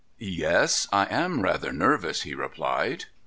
' Yes, I am rather nervous,' he replied.